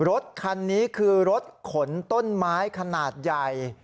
รถคันนี้คือรถขนต้นไม้ขนาดใหญ่